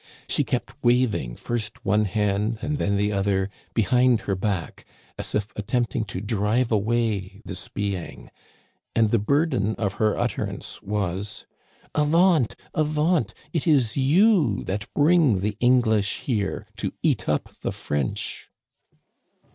She kept waving first one hand and then the other behind her back, as if attempting to drive away this being, and the burden of her utterance was :" Avaunt, avaunt ! it is you that bring the English here to eat up the French